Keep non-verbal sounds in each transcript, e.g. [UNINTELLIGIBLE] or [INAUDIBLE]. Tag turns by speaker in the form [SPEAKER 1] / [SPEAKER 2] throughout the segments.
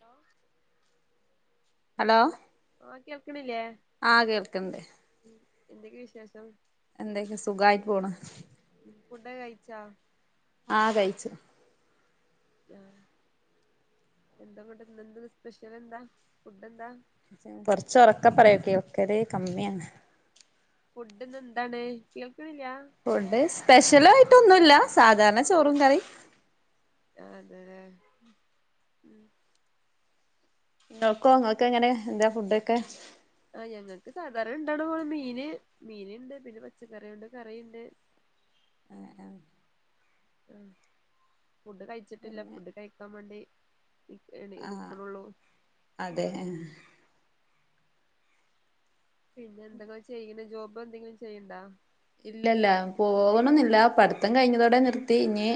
[SPEAKER 1] Law ആ ഓ കേൾക്കണില്ലേ?
[SPEAKER 2] ആഹ കേൾക്ണ്ട്
[SPEAKER 1] ഉ എന്തൊക്കെ വിശേഷം?
[SPEAKER 2] എന്തൊക്കെ സുഖയിട്ട് പോണ്.
[SPEAKER 1] ഫുഡ കഴിച്ചാ?
[SPEAKER 2] ആഹ കഴിച്ച്.
[SPEAKER 1] ആ എന്ത കൊണ്ട് എന്ത ന്ന് സ്പെഷ്യൽ എന്താ ഫുഡ് എന്താ?
[SPEAKER 2] കൊറച്ച ഒറക്കെ പറയോ കേൽകല് കമ്മിയാണ്.
[SPEAKER 1] ഫുഡ്ന്ന് എന്താണ് കേൾക്ണില്ല?
[SPEAKER 2] ഫുഡ് സ്പെഷ്യലായിട്ടൊന്നുല്ല സാധാരണ ചോറും കറിയും.
[SPEAKER 1] അതേ ഉം
[SPEAKER 2] ങ്ങക്കോ ഇങ്ങൾക്ക് എങ്ങനെ എന്താ ഫുഡൊക്കെ?
[SPEAKER 1] ആ ഞങ്ങക്ക് സാധാരണ ഇണ്ടട മീന് മീന്ണ്ട് പിന്നെ പച്ചക്കറിയുണ്ട് കറിണ്ട്. [UNINTELLIGIBLE]
[SPEAKER 2] അങ്ങനാ
[SPEAKER 1] ആ ഫുഡ് കഴിച്ചിട്ടില്ല ഫുഡ് കഴിക്കാം വേണ്ടി എ ണി
[SPEAKER 2] ആഹ്
[SPEAKER 1] ന്നിക്ക്നുള്ളൂ.
[SPEAKER 2] അതെ
[SPEAKER 1] പിന്നെ എന്തെങ്ക ചെയ്ണ ജോബ് എന്തെങ്കിലും ചെയ്ണ്ടോ?
[SPEAKER 2] ഇല്ല ഇല്ല പോവു ണോന്നില്ല പഠിത്തം കഴിഞ്ഞതോടെ നിർത്തി ഇനി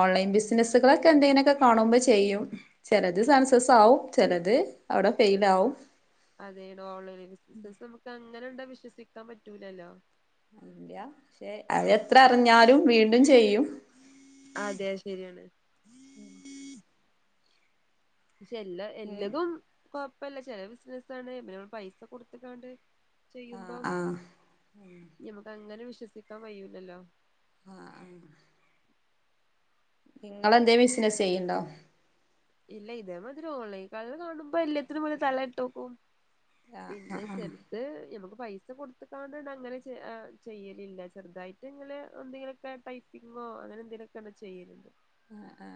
[SPEAKER 2] ഓൺലൈൻ ബിസിനസ്സുകളൊക്കെ എന്തെങ്കിലൊക്കെ കാണുമ്പോ ചെയ്യും. ചെലത് സൺസസ് ആവും ചെലത് അവിടെ ഫെയ്ൽ ആവും.
[SPEAKER 1] അതെണ് ഓൺലൈൻ ബിസിനസ് നമുക്ക് അങ്ങനെണ്ടാ വിശ്വസിക്കാൻ പറ്റൂലല്ലോ?
[SPEAKER 2] ഇല്ല്യ പക്ഷെ അ എത്ര അറിഞ്ഞാലും വീണ്ടും ചെയ്യും.
[SPEAKER 1] അതെ ശരിയാണ്. പക്ഷെ എല്ലാ
[SPEAKER 2] ഉം
[SPEAKER 1] എല്ലതും കൊഴപ്പല്ല ചെല ബിസിനസാണ് മ പൈസ കൊടുത്തക്കാണ്ട് ചെയ്യുമ്പോ
[SPEAKER 2] ആഹ് ആഹ്
[SPEAKER 1] ഞമക്ക് അങ്ങനെ വിശ്വസിക്കാൻ കയൂല്ലല്ലോ?
[SPEAKER 2] ആഹ് ആ ങ്ങളെന്തേ ബിസിനസ്സ് ചെയ്ണ്ടോ?
[SPEAKER 1] ഇല്ല ഇതേമാതിരി ഓൺലൈൻ കൾ കാണുമ്പോ എല്ലത്തിനും പോല തലട്ടോക്കും.
[SPEAKER 2] ആഹ്
[SPEAKER 1] പിന്നെ
[SPEAKER 2] ആഹ്
[SPEAKER 1] ചെൽ ഇത് ഞമക്ക് പൈസ കൊടുത്ക്കാണ്ടണ്ട് അങ്ങനെ ചെയ്യലില്ല ചെറുതായിട്ട് ഇങ്ങനെ എന്തെങ്കിലൊക്കെ ഡൈ പിങ്ങോ അങ്ങനെ എന്തേലൊക്കെണ് ചെയ്യല്.
[SPEAKER 2] ആ ആ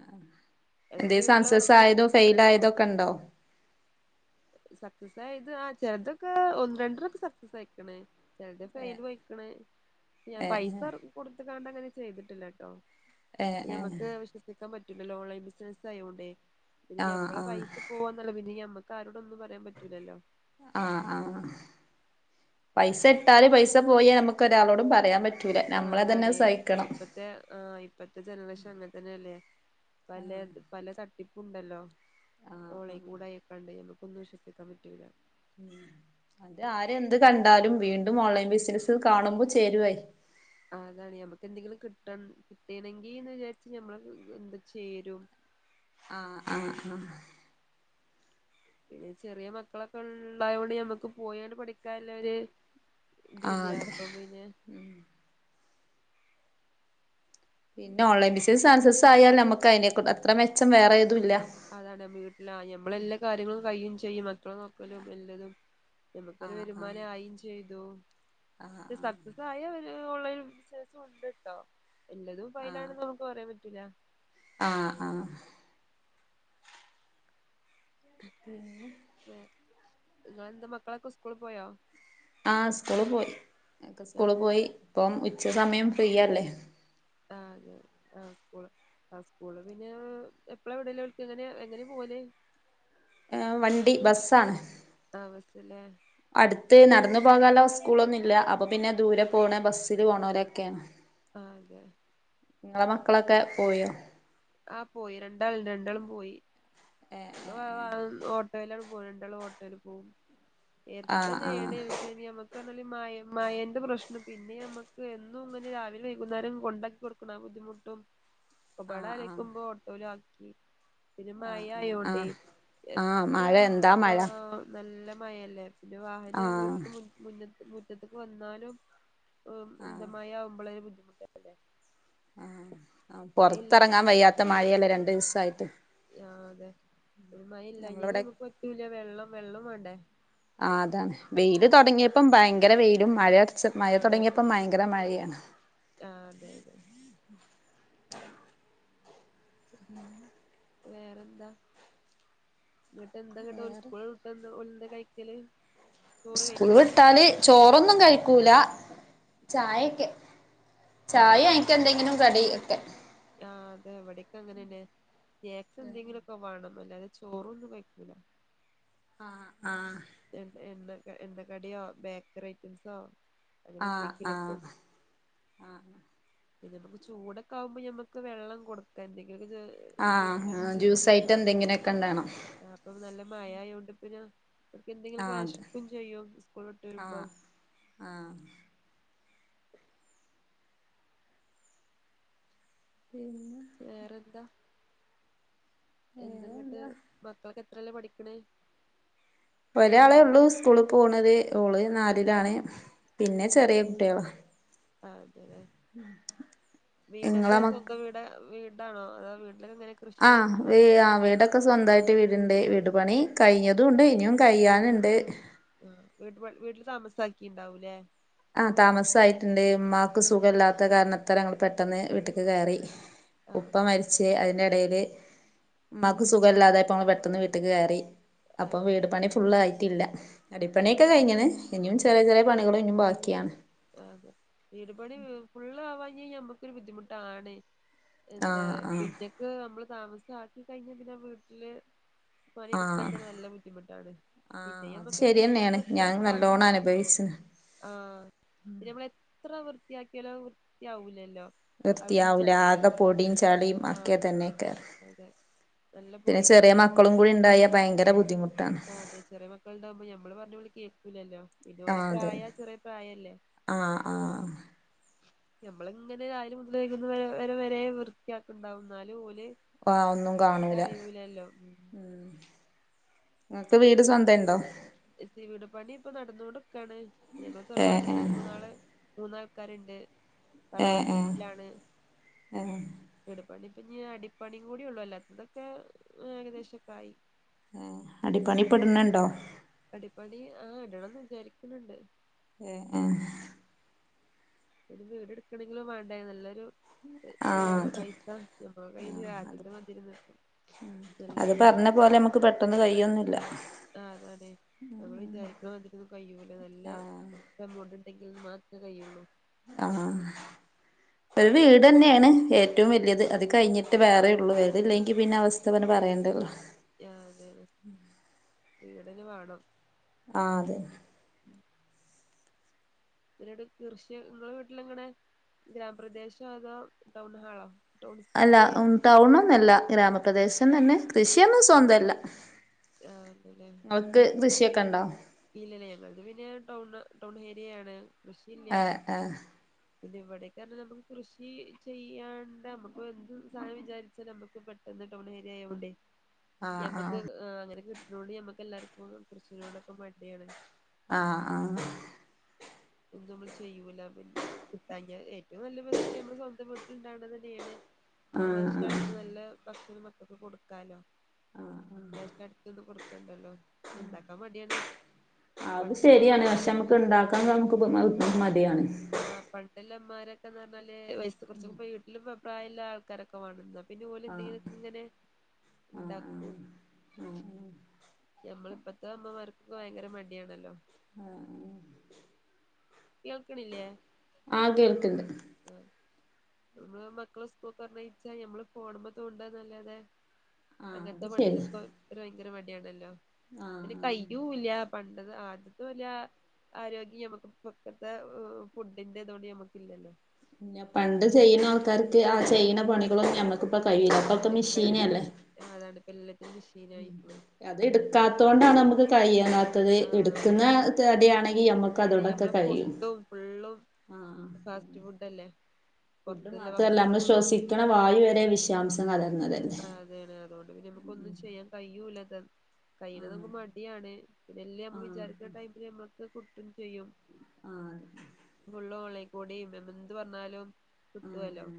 [SPEAKER 2] എന്തേ
[SPEAKER 1] വീട്ടില്
[SPEAKER 2] സക്സസ്
[SPEAKER 1] വെറുതെ
[SPEAKER 2] ആയതോ ഫെയിൽ
[SPEAKER 1] ഇരിക്കുമ്പളെ
[SPEAKER 2] ആയതോക്കെ ണ്ടോ?
[SPEAKER 1] സക്സസ് ആയത് ആ ചെറുതൊക്കെ ഒന്ന് രണ്ടോകേ സക്സസ് ആയിക്ണ്. ചെൽത് ഫെയിലുയിക്ണ് ഞാൻ
[SPEAKER 2] ഏഹ്
[SPEAKER 1] പൈസ എർകി കൊടുത്തണ്ട്ങ്ങനെ ചെയ്തിട്ടില്ലട്ടോ.
[SPEAKER 2] ഏഹ് ഏഹ്
[SPEAKER 1] ഞ്അമ്മ്ക്ക് വിശ്വസിക്കാൻ പറ്റൂല്ലല്ലോ ഓൺലൈൻ ബിസിനസ് ആയോണ്ടേ പിന്നെ
[SPEAKER 2] ആഹ്
[SPEAKER 1] ഞമ്മളെ
[SPEAKER 2] ആഹ്
[SPEAKER 1] പൈസ പോവാന്നല്ല പിന്നെ ഞമ്മക്ക് ആരോടൊന്നും പറയാൻ പറ്റൂലല്ലോ?
[SPEAKER 2] ആഹ് ആഹ് പൈസ ഇട്ടാല് പൈസ പോയി അമ്മ്ക്ക് ഒരാളോടും പറയാപറ്റൂല നമ്മളെ തന്നെ സഹിക്കണം.
[SPEAKER 1] തേ ആ ഇപ്പഴത്തെ ജനറേഷൻ അങ്ങൻതന്നെ അല്ലേ പലേത് പല തട്ടി പു ഉണ്ടല്ലോ ഓളെ കൂടായ്കൂടേ ആയ്ക്കാണ്ടേ ഞമ്മക്ക്ന്ന് വിശ്വസിക്കാൻ പറ്റ്ല്ല.
[SPEAKER 2] അത് ആരെന്ത് കണ്ടാലും വീണ്ടും ഓൺലൈൻ ബിസിനസ് കാണുമ്പോ ചേരുവായിര്
[SPEAKER 1] അതാണ് ഞമ്മക്ക് എന്തെങ്കിലും കിട്ടൺ കിട്ടണെങ്കിന്ന് വിചാരിച്ച് ഞമ്മള് എന്താ ചേരു
[SPEAKER 2] ആഹ് ആഹ് ആഹ്
[SPEAKER 1] പിന്നെ ചെറിയ മക്കളൊക്കെ ഉള്ളായൊണ്ട് ഞമ്മക്ക് പോയാണ് പഠിക്കാല്ലര്
[SPEAKER 2] ആഹ്
[SPEAKER 1] ദുലിയ
[SPEAKER 2] അതെ
[SPEAKER 1] പ്പം പിനെ
[SPEAKER 2] പിന്നെ ഓൺലൈൻ ബിസിസ് സക്സസായാൽ ഞമ്മക്ക് അയ്നെ അത്ര മെച്ചം വേറെഏതും ഇല്ല
[SPEAKER 1] അതാണ് വീട്ടിലാ ഞമ്മളെ എല്ലാ കാര്യങ്ങളും കയും ചെയ്യും അത്രം നോക്കലും എല്ലതും. നമുക്കൊരു
[SPEAKER 2] ആഹ് ആഹ്
[SPEAKER 1] വരുമാനായും ചെയ്തു സക്സസായ ഓൺലൈൻ ബിസിനസും ഉണ്ട്ട്ടോ എല്ലതും ഫയലാണെന്ന്
[SPEAKER 2] ആഹ്
[SPEAKER 1] നമുക്ക് പറയാൻ പറ്റൂല്ല
[SPEAKER 2] ആഹ് ആഹ് പിന്നെ
[SPEAKER 1] [UNINTELLIGIBLE] ഇങ്ങളെ എന്താ മക്കളൊക്കെ സ്കൂളീ പോയോ
[SPEAKER 2] ആ സ്കൂള് പോയി ഒക്കെ
[SPEAKER 1] ആ
[SPEAKER 2] സ്കൂള് പോയി ഇപ്പം ഉച്ച സമയം ഫ്രീയല്ലേ
[SPEAKER 1] ആഹ് അതെ ആഹ് സ്കൂള് ആ സ്കൂള് പിന്നെ എപ്പളാ വിടല് വിക്ക് എങ്ങനെയ എങ്ങനെ പോവല്
[SPEAKER 2] വണ്ടി ബസ്സാണ്
[SPEAKER 1] ആ ബസ്സല്ലേ
[SPEAKER 2] അടുത്ത് നടന്നു പോകാനുള്ള സ്കൂളൊന്നും ഇല്ല അപ്പൊ പിന്നെ ദൂരെ പോകണ ബസ്സില് പോകണലൊക്കെ
[SPEAKER 1] അതെ
[SPEAKER 2] നിങ്ങളെ മക്കളൊക്കെ പോയോ
[SPEAKER 1] ആഹ് പോയി രണ്ടാളിണ്ട് രണ്ടാളും പോയി [UNINTELLIGIBLE] ഓട്ടോയിലാണ് പോവല് രണ്ടോളും ഓട്ടോയിൽ പോകും നേരത്ത
[SPEAKER 2] ആഹ് ആഹ്
[SPEAKER 1] തന്നെയാണ് ശരി നമക്ക് പറഞ്ഞാല് മ മയന്റെ പ്രശ്നം പിന്നെ നമുക്ക് എന്നും ഇങ്ങനെ രാവിലെ വൈകുന്നേരം കൊണ്ടാക്കി കൊടുക്ക കണ ബുദ്ധിമുട്ടും ഒകപാട
[SPEAKER 2] ആഹ് ആഹ്
[SPEAKER 1] ആലൊയ്ക്കുമ്പോ ഓട്ടോല് ആക്കി
[SPEAKER 2] ആഹ് ആഹ്
[SPEAKER 1] ആയൊണ്ടേ
[SPEAKER 2] ആഹ് ആഹ്
[SPEAKER 1] എത്ര
[SPEAKER 2] മഴ എന്താ
[SPEAKER 1] പാ
[SPEAKER 2] മഴ
[SPEAKER 1] നല്ല മഴല്ലേ പിന്നെ വാഹനം
[SPEAKER 2] ആഹ്
[SPEAKER 1] വീട്ടത്ത മുറ്റത്തക്ക് വന്നാലും ഓഫ് മഴ ആവുമ്പോളെ ഒരു ബുദ്ധിമുട്ടല്ലേ
[SPEAKER 2] ആഹ് ആ
[SPEAKER 1] മഴ ഇല്ല
[SPEAKER 2] പുറത്തിറങ്ങാൻ വയ്യാത്ത മഴയല്ലേ രണ്ടു ദിവസായിട്ട്
[SPEAKER 1] ആഹ് അതെ ഒരു മഴ ഇല്ലഞ്ഞാല്
[SPEAKER 2] നമ്മളിവിടെ
[SPEAKER 1] നമക്ക് പറ്റൂല വെള്ളം വെള്ളം വേണ്ടേ
[SPEAKER 2] ആ അതാണ് വെയിൽ തുടങ്ങിയപ്പം ഭയങ്കര വെയിലും മഴയടച മഴ
[SPEAKER 1] ആ അതാണ്
[SPEAKER 2] തുടങ്ങിയപ്പം ഭയങ്കര മഴയാ
[SPEAKER 1] ആ അതെ അതെ വേറെ എന്താ ഇങ്ങട്ട് എന്താങ്ങട്ട് സ്കൂൾട്ട് എന്താ ഓല് കഴിക്കല് ചോറ്
[SPEAKER 2] സ്കൂൾ
[SPEAKER 1] കഴിക്കോ
[SPEAKER 2] വിട്ടാല് ചോറൊന്നും കഴിക്കൂല ചായൊക്കെ ചായ അയിക്ക് എന്തെങ്കിലും കടി ഒക്കെ
[SPEAKER 1] ആഹ് അതെ ഇവിടെയൊക്കെ അങ്ങനെന്നെ കേക് എന്തെങ്കിലും വേണം അല്ലാതെ ചോറൊന്നും കഴിക്കൂല
[SPEAKER 2] ആഹ് ആഹ്
[SPEAKER 1] എ എണ്ണ എണ്ണ കടിയോ ബേക്കറി ഐറ്റംസൊ അങ്ങനെ
[SPEAKER 2] ആഹ്
[SPEAKER 1] എന്തെങ്കിലും ഒക്കെ
[SPEAKER 2] ആഹ്
[SPEAKER 1] പിന്ന നമുക്ക് ചൂടൊക്കെ ആകുമ്പോ നമുക്ക് വെള്ളം കൊടുക്കാ എന്തെങ്കിലൊ
[SPEAKER 2] ആഹ് ജ്യൂസായിട്ട് എന്തെങ്കനെക്കെ ഉണ്ടാവണം
[SPEAKER 1] അപ്പൊ നല്ല മഴ ആയോണ്ട് പിന്നെ അവർക്ക് എന്തെങ്കിലുമൊക്കെ
[SPEAKER 2] ആഹ് അത്
[SPEAKER 1] വിശകും ചെയ്യും സ്കൂള് വിട്ട് വരുമ്പോ
[SPEAKER 2] ആഹ് ആഹ് പിന്നെ
[SPEAKER 1] വേറെന്താ എന്തങ്ങട്ട് മക്കളൊക്കെ എത്രലാ പഠിക്കണേ
[SPEAKER 2] ഒരാളേ ഉള്ളു സ്കൂളീ പോണത് ഓള് നാലിലാണ് പിന്നെ ചെറിയ കുട്ട്യാളാ
[SPEAKER 1] ആഹ് അതേലെ വീടൊക്കെ
[SPEAKER 2] ഇങ്ങളെ മക്ക
[SPEAKER 1] സ്വന്തം ടാ വീടാണോ അതൊ വീട്ടിലങ്ങനെ
[SPEAKER 2] ആഹ് വേ ആഹ് വീട ഒക്കെ സ്വന്തായിട്ട് വീടുണ്ട് വീട് പണി കഴിഞ്ഞതും ഉണ്ട് ഇനിയും കഴിയാൻണ്ട്
[SPEAKER 1] ആഹ് വീട് പ വീട്ടിൽ താമസാക്കിണ്ടാവൂല്ലേ
[SPEAKER 2] ആ താമസായിട്ടുണ്ട് ഉമ്മാക്ക് സുഖല്ലാത്ത കാരണത്താല് ഞങ്ങൾ പെട്ടെന്ന് വീട്ടിക്ക് കയറി
[SPEAKER 1] ആ
[SPEAKER 2] ഉപ്പ മരിച്ച് അതിന്റെ ഇടയില് ഉമ്മക്ക് സുഖ ഇല്ലാതെപ്പൾ പെട്ടന്ന് വീട്ടക്ക് കേറി അപ്പൊ
[SPEAKER 1] അതെ
[SPEAKER 2] വീട് പണി ഫുള് ആയിട്ടില്ല
[SPEAKER 1] ആ
[SPEAKER 2] അടിപ്പണിയൊക്കെ കഴിഞ്ണ് ഇനിയും ചെറിയ ചെറിയ പണികള ഇനിയും ബാക്കിയാണ്
[SPEAKER 1] അതെ വീട് പണി ഫുള്ളാവാ ക നമ്മുക്കൊരു ബുദ്ധിമുട്ടാണ് എന്താ
[SPEAKER 2] ആഹ് ആഹ്
[SPEAKER 1] പിന്നെക്ക് നമ്മള് താമസ ആക്കി കഴിഞ്ഞ പിന്നെ വീട്ടില് പണിയ എടുക്കാൻ
[SPEAKER 2] ആഹ്
[SPEAKER 1] തന്നെ നല്ല ബുദ്ധിമുട്ടാണ്
[SPEAKER 2] ആഹ്
[SPEAKER 1] പിന്നെ
[SPEAKER 2] അത്
[SPEAKER 1] നമ്മക്ക് എന്തെങ്കിലും ക്ക
[SPEAKER 2] ശരിയെന്നേണ്
[SPEAKER 1] പ്രശ്നം
[SPEAKER 2] ഞാൻ നല്ലോണം
[SPEAKER 1] ഉണ്ടാകുമ്പോ
[SPEAKER 2] അനുഭവിച്ച്ണ്
[SPEAKER 1] ആഹ് പിന്ന നമ്മൾ എത്ര വൃത്തിയാക്കിയാലോ വൃത്തിയാവൂലല്ലോ അവിടെ
[SPEAKER 2] വൃത്തിയാവൂല ആകെ പൊടിയും ചളിയും
[SPEAKER 1] ആഹ്
[SPEAKER 2] ഒക്കെ തന്നെ കാരം
[SPEAKER 1] അതെ നല്ല
[SPEAKER 2] പിന്നെ
[SPEAKER 1] പൊടിയും
[SPEAKER 2] ചെറിയ
[SPEAKER 1] ചളി
[SPEAKER 2] മക്കളും കൂടി ഉണ്ടായ ഭയങ്കര ബുദ്ധിമുട്ടാണ്
[SPEAKER 1] ആഹ് അതെ ചെറിയ മക്കളുണ്ടാവുമ്പോ മ്മള് പറഞ്ഞ അവര് കേൾക്കൂലല്ലോ പിന്നെ ഓലെ
[SPEAKER 2] ആഹ് അതെ
[SPEAKER 1] പ്രായ ചെറിയ പ്രായല്ലേ
[SPEAKER 2] ആഹ് ആഹ്
[SPEAKER 1] ഉ നമ്മളിങ്ങനെ രാവിലെ മുതൽ വൈകുന്നേരം വരെ വൃത്തിയാക്ക ഉണ്ടാവു ന്നാലും ഓല്
[SPEAKER 2] ആഹ് ഒന്നും
[SPEAKER 1] ഒട്ടും
[SPEAKER 2] കാണൂല
[SPEAKER 1] അറിയൂലല്ലോ
[SPEAKER 2] ഉം നിങ്ങക്ക് വീട് സ്വന്തം ഉണ്ടോ
[SPEAKER 1] എസ് സി വീട് പണി ഇപ്പൊ നടന്ന കൊൊണ്ട്ക്കാണ്
[SPEAKER 2] ഏ
[SPEAKER 1] തറവാട്ടെ മൂന്നാള് മൂന്നാൾക്കാരുണ്ട്
[SPEAKER 2] ഏ ഏ
[SPEAKER 1] തറവാട്ടിലാണ്
[SPEAKER 2] ഏ
[SPEAKER 1] വിടു പ്പണി ഇപ്പ അടിപ്പണിയ കൂടിയള്ളൂ അല്ലാത്തതൊക്കെ ഏകദേശം ക്കെ ആയി
[SPEAKER 2] ഏഹ് അടി പണി ഇപ്പെടണണ്ടോ
[SPEAKER 1] അടിപാടി ആഹ് ഇടണം വിചാരിക്കുന്നുണ്ട്
[SPEAKER 2] ഏഹ് ഏഹ്
[SPEAKER 1] ഒര് വീട് എടുക്കണങ്കിലും വേണ്ട നല്ലൊരു
[SPEAKER 2] ആ
[SPEAKER 1] ഇത്
[SPEAKER 2] അത്
[SPEAKER 1] പൈസ ഞമ്മ കയ്യിൽ ആദ്യത്തെ [UNINTELLIGIBLE] നല്ല
[SPEAKER 2] അത്
[SPEAKER 1] പൈസ
[SPEAKER 2] പറഞ്ഞ പോലെ നമുക്ക് പെട്ടെന്ന് കയ്യൊന്നുല്ല
[SPEAKER 1] ആഹ് അതാണെ നമ്മള് വിചാരിക്കണ മാതിരി കഴിയൂല്ല നല്ല എമോട് ഉണ്ടെങ്കിൽന് മാത്ര കയുള്ളൂ
[SPEAKER 2] ആഹ് ആഹ്
[SPEAKER 1] [INAUDIBLE]
[SPEAKER 2] ഒരു വീട് ന്നെയെണ് ഏറ്റവും വല്ല്യത് അത് കഴിഞ്ഞിട്ട് വേറെ ഉള്ളൂ അത് ഇല്ലെങ്കിൽ പിന്നെ അവസ്ഥ പിന്നെ പറയേണ്ടല്ലോ
[SPEAKER 1] ആഹ് അതന്ന വീടന് വാണം
[SPEAKER 2] ആഹ് അതെ
[SPEAKER 1] പിട് കൃഷിങ്ങ വീട്ടില എങ്ങനെ ഗ്രാമ പ്രദേശോ അതോ ടൗൺ ഹാളോ ടൗൺ
[SPEAKER 2] അല്ല
[SPEAKER 1] ഏരിയ
[SPEAKER 2] ടൗണൊന്നുംല്ല ഗ്രാമപ്രദേശം തന്നെ കൃഷിയൊന്നും സ്വന്തല്ല
[SPEAKER 1] യാ ഉണ്ട് ലെ
[SPEAKER 2] ങ്ങക്ക് കൃഷിയൊക്കെ ഉണ്ടോ
[SPEAKER 1] ഇല്ലല്ല ഞങ്ങക്ക് പിന്നെ ടൗൺ ടൗൺ ഏരിയാണ് കൃഷിയില്ല
[SPEAKER 2] ഏ ഏ
[SPEAKER 1] പിന്നെ ഇവിടേക്കാര നമുക്ക് കൃഷി ചെയ്യാണ്ട് നമ്മുക്ക് എന്ത് സാനം വിചാരിച്ചാല നമ്മുക്ക് പെ ട്ടൊന്ന് ടൗണ് ഏരിയ ആയോണ്ടേ
[SPEAKER 2] ആ ആ
[SPEAKER 1] എമ്പക്ക് അങ്ങനെ കിട്ട് ണോണ്ട് ഞമ്മക്ക് എല്ലാർക്കും കൃഷിനോടൊക്കെ മട്യാണ്
[SPEAKER 2] ആഹ് ആഹ്
[SPEAKER 1] ഒന്നും നമ്മള് ചെയ്യൂല. പിന്നെ കിട്ടാഞ ഏറ്റവും നല്ല വസ്റ്റ് നമ്മള് സ്വന്തം വീട്ട്ണ്ടാവ്ണതന്നെയാണ്
[SPEAKER 2] ആ
[SPEAKER 1] പ്രവശ്യ
[SPEAKER 2] ആ
[SPEAKER 1] അടുത്ത് നല്ല ഭക്ഷണം മക്കക്ക് കൊടുക്കാലോ അട്ക്കെന്നും കൊടുക്കണ്ടല്ലോ ഇണ്ടാക്കാൻ മട്യാണ്. പണ്ടല്ല അമ്മമാരും
[SPEAKER 2] ഇണ്ടാക്കാ നമുക്ക് മടി ആണ്
[SPEAKER 1] ആഹ് പണ്ട്ല്ല അമാരൊക്കന്ന് പറഞ്ഞാല് വയസ് കൊറ്ച്ച് ഇ വീട്ടിലും ഇ പ്രായ ഇല്ല ആൾക്കാരൊക്കെ വാണം [UNINTELLIGIBLE] പിന്നെ ഓല്
[SPEAKER 2] ആഹ്
[SPEAKER 1] എന്തെങ്കിലെക്കെ ഇങ്ങനെ
[SPEAKER 2] ആഹ്
[SPEAKER 1] ഇണ്ടാക്കും.
[SPEAKER 2] ആഹ് ആഹ്
[SPEAKER 1] ഞമ്മൾ ഇ പത്ത അമ്മമാർക്കൊക്കെ ഭയങ്കര മടിയാണല്ലോ
[SPEAKER 2] ആഹ്
[SPEAKER 1] ക്യോൾക്ക്ണില്ലേ
[SPEAKER 2] ആ കേൾക്ക്ണ്ട്
[SPEAKER 1] ഉം നമ്മള് മക്കളെ സ്കൂൾക്കർ ഞ്ഞയ്ച്ചാ ഞമ്മള് ഫോണ്മെ തോണ്ട നല്ലാതെ
[SPEAKER 2] ആഹ് അത്
[SPEAKER 1] അങ്ങനത്തെ
[SPEAKER 2] ശരി
[SPEAKER 1] പണികൾക്ക്ഒര് ഭയങ്കര മടി ആണല്ലോ
[SPEAKER 2] ആഹ്
[SPEAKER 1] പിന്നെ
[SPEAKER 2] ആഹ്
[SPEAKER 1] കൈ യൂല പണ്ടത് ആദ്യത്ത്വാല്ല ആരോഗ്യം നമുക്ക് പക്കത്തെ ഫുഡിന്റെതോണ്ട് നമക്ക് ഇല്ലല്ലോ
[SPEAKER 2] പിന്നെ പണ്ട് ചെയ്യുന്ന ആൾക്കാർക്ക് ആ ചെയ്യ്ണ പണികളും ഞമ്മക്കിപ്പ കഴിയില്ല. അപ്പൊക്കെ മിഷീനല്ലേ
[SPEAKER 1] ആഹ് അതാണ്പ്പ എല്ലത്തിനും മിഷീൻ ആയിക്ക്ണ്
[SPEAKER 2] അത് എടുക്കാത്തോണ്ടാണ് നമക്ക് കഴിണത് ത്തത്.
[SPEAKER 1] ആഹ്
[SPEAKER 2] ഇട്ക്കുന്ന
[SPEAKER 1] അതാണ്
[SPEAKER 2] തടിയാണെങ്കി ഞമ്മക്ക്
[SPEAKER 1] ഇത്
[SPEAKER 2] അതോടൊക്കെ
[SPEAKER 1] ഞമ്മളെ
[SPEAKER 2] കഴിയും
[SPEAKER 1] ഫുഡും ഫുള്ളും
[SPEAKER 2] ആഹ് ആഹ്
[SPEAKER 1] ഫാസ്റ്റ് ഫുഡ് അല്ലേ
[SPEAKER 2] ഫുഡ്
[SPEAKER 1] പുറത്തുള്ള
[SPEAKER 2] മാത്രല്ല നമ്മള്
[SPEAKER 1] ഭക്ഷണങ്ങളും
[SPEAKER 2] ശ്വസിക്ക്ണ വായു വരെ വിശാംസം കലർന്നതന്നെ
[SPEAKER 1] അതാണ്. അതോണ്ട് പിന്നെ നമക്കൊ ന്നും ചെയ്യാൻ കയിഴ്യൂല്ല. കൈയ്ണ്
[SPEAKER 2] ആഹ്
[SPEAKER 1] നമുക്ക് മടിയാണ് ഇതെല്ലാം നമ്മൾ
[SPEAKER 2] ആഹ്
[SPEAKER 1] വിചാരിക്കുന്ന ടൈമില് ഞമ്മൾക്ക് കുട്ടും ചെയ്യും
[SPEAKER 2] ആഹ്
[SPEAKER 1] ഫുള്ളും ഓൺളൈ കൂടി എന്ത് പറഞ്ഞാലും
[SPEAKER 2] ആഹ്
[SPEAKER 1] കിട്ടൊല്ലോ
[SPEAKER 2] ആഹ്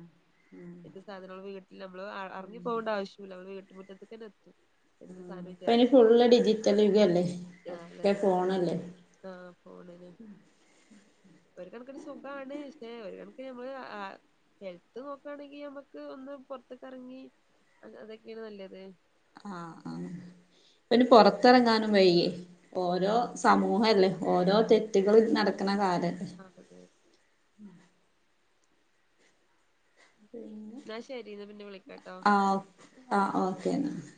[SPEAKER 1] എത് സാധനങ്ങളു വീട്ടിൽ നമ്മള് അറങ്ങി പോകേണ്ട ആവശ്യുല്ല. വീട്ട്മുറ്റത്തേ തന്നെ എത്തും എന്ത് സാധനം
[SPEAKER 2] അപ്പ ഇനി ഫുള്ള് ഡിജിറ്റൽ യുഗല്ലേ
[SPEAKER 1] ആഹ്
[SPEAKER 2] ഒക്കെ
[SPEAKER 1] അതാണ്
[SPEAKER 2] ഫോണല്ലേ
[SPEAKER 1] ആഹ് ഫോണില് ഒരു കണക്കിന് സുഖാണ്. ക്ഷെ ഒരു കണക്ക്ന് ഞമ്മള് ആഹ് ഹെൽത്ത് നോക്കാണെങ്കി നമ്മക്ക് ഒന്ന് പൊറ്ത്ത്ക്കെറങ്ങി അതൊക്കേണ് നല്ലത്
[SPEAKER 2] ആഹ് ആഹ് ഇപ്പെന് പൊറത്തെറങ്ങാനും വെയെ ഓരോ സമൂഹ അല്ലേ ഓരോ തെറ്റുകള് നടക്ക്ണ കാലം
[SPEAKER 1] അതെ
[SPEAKER 2] പിന്നെ
[SPEAKER 1] എന്നാ ശരി എന്നാ പിന്നെ വിളിക്കാട്ടോ
[SPEAKER 2] ആഹ് ആഹ് ഓക്കെ ന്നാ